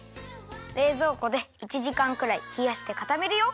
れいぞうこで１じかんくらいひやしてかためるよ。